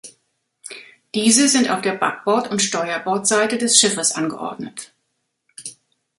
Diese sind auf der Backbord- und Steuerbordseite des Schiffes angeordnet.